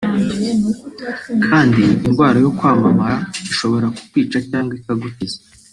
kandi indwara yo kwamamara ishobora kukwica cyangwa ikagukiza